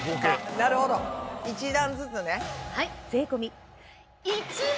なるほど一段ずつね。